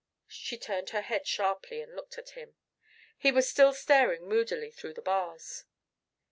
She turned her head sharply and looked at him. He was still staring moodily through the bars.